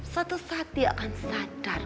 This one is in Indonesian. satu saat dia akan sadar